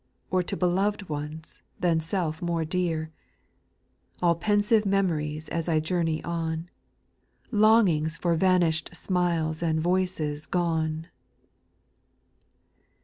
Or to beloved ones, than self more dear I All pensive memories as I journey on. Longings for vanished smiles and voices gone.